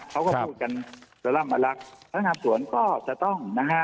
เขาก็พูดกันสล่ำอลักษณ์พระอาหารสวนก็จะต้องนะฮะ